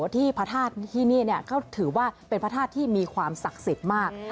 ที่พระธาตุที่นี่ก็ถือว่าเป็นพระธาตุที่มีความศักดิ์สิทธิ์มาก